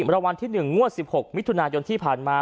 รางวัลที่๑งวด๑๖มิถุนายนที่ผ่านมา